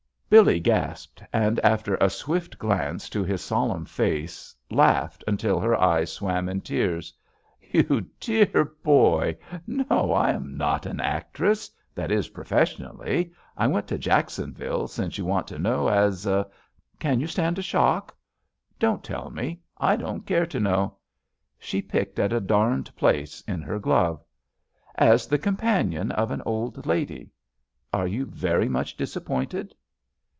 Billee gasped and after a swift glance to his solemn face laughed until her eyes swam in tears. ^ JUST SWEETHEARTS "You dear boy I No, I am not an actress, that is, professionally. I went to Jackson ville, since you want to know, as — can you stand a shock?" Don't tell me, I don't care to know." She picked at a darned place in her glove. "As the companion of an old lady. Are you very much disappointed?"